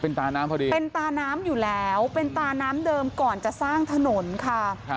เป็นตาน้ำอยู่แล้วเป็นตาน้ำเดิมก่อนจะสร้างถนนค่ะ